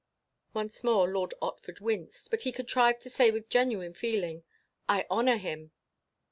Once more Lord Otford winced; but he contrived to say with genuine feeling, "I honour him."